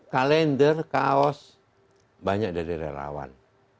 kalender kaos banyak dari relawan